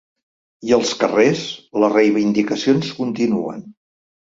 I als carrers, les reivindicacions continuen.